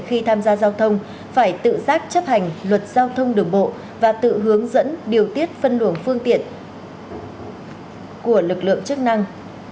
khi tham gia giao thông phải tự giác chấp hành luật giao thông đường bộ và tự hướng dẫn điều tiết phân luồng phương tiện của lực lượng chức năng